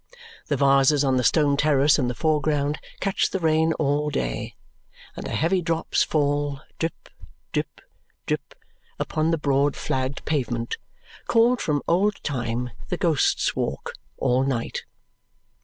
The vases on the stone terrace in the foreground catch the rain all day; and the heavy drops fall drip, drip, drip upon the broad flagged pavement, called from old time the Ghost's Walk, all night.